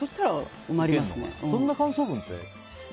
そんな感想文って。